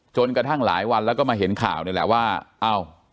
จนกระทั่งหลายวันแล้วก็มาเห็นข่าวนี่แหละว่าอ้าว